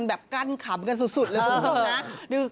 แบบกั้นขำกันสุดเลยคุณผู้ชมนะ